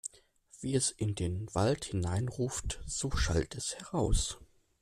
Wie es in den Wald hineinruft, so schallt es heraus.